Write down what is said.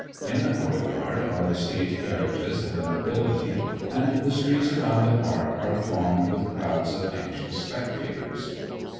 In the court yard are the state carriages of the nobility; and the streets around the park are thronged with crowds of anxious spectators.